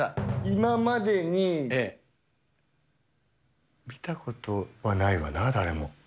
今までに見たことはないわな、誰も。